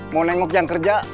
mau nengok yang kerja